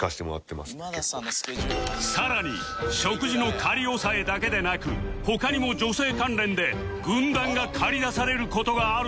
さらに食事の仮押さえだけでなく他にも女性関連で軍団が駆り出される事があるそうで